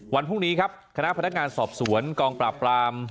วันพรุ่งนี้ครับคณะพนักงานสอบสวนกองปราบปราม